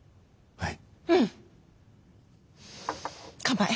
はい。